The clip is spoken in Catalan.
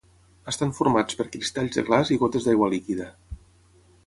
Estan formats per cristalls de glaç i gotes d’aigua líquida.